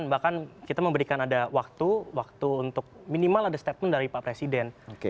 bahkan kita memberikan ada waktu untuk minimal ada step in dari pak presiden